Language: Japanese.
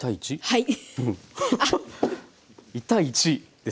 はい。